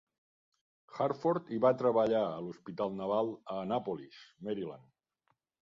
Hartford i va treballar a l'Hospital Naval a Annapolis, Maryland.